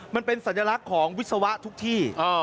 มันเป็นสัญลักษณ์ของวิศวะทุกที่